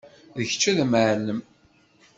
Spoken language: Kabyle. D kečč ay d amɛellem.